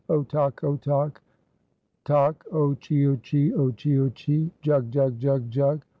Otock otock tock! o chio chee! o chio chee! Jug! jug! jug! jug!